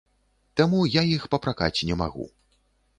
Таму я іх папракаць не магу.